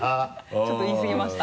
ちょっと言いすぎました。